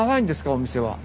お店は。